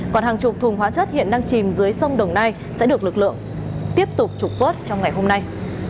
còn hàng chục thùng hóa chất hiện đang chìm dưới sông đồng nai sẽ được lực lượng tiếp tục trục vớt trong ngày hôm nay